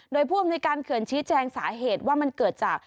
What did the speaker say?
โดยผู้อำนวยการเขื่อนชี้แจงสาเหตุว่ามันเกิดจาก